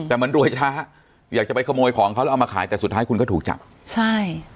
แต่มันรวยช้าอยากจะไปขโมยของเขาแล้วเอามาขายแต่สุดท้ายคุณก็ถูกจับใช่